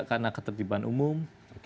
karena ketertiban umum